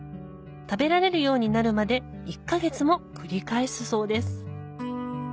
食べられるようになるまで１か月も繰り返すそうです